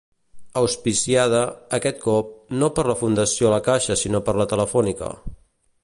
Auspiciada, aquest cop, no per la Fundació La Caixa sinó per la Telefònica.